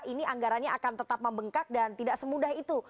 ini anggarannya akan tetap membengkak dan tidak semudah itu